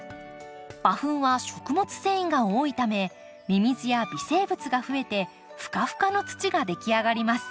馬ふんは食物繊維が多いためミミズや微生物がふえてふかふかの土ができ上がります。